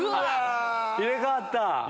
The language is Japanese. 入れ替わった！